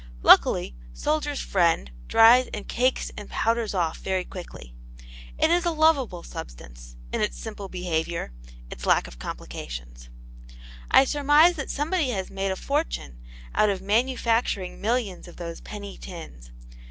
Luckily, Soldier's Friend dries and cakes and powders off fairly quickly. It is a lovable substance, in its simple behaviour, its lack of complications. I surmise that somebody has made a fortune out of manufacturing millions of those penny tins.